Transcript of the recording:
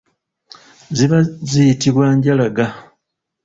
Ziba ziyitibwa njalaga.